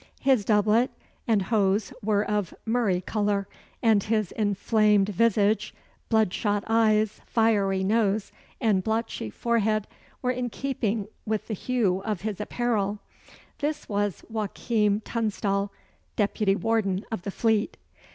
His doublet and hose were of murrey colour; and his inflamed visage, blood shot eyes, fiery nose, and blotchy forehead, were in keeping with the hue of his apparel. This was Joachim Tunstall, Deputy Warden of the Fleet.